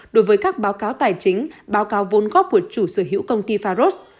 đối với các báo cáo tài chính báo cáo vốn góp của chủ sở hữu công ty faros